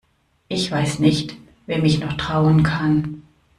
Ich weiß nicht, wem ich noch trauen kann.